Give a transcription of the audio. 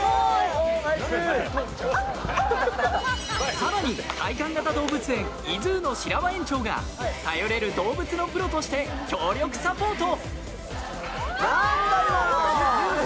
更に、体感型動物園ｉＺｏｏの白輪園長が頼れる動物のプロとして強力サポート。